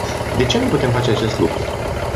De ce nu putem face acest lucru?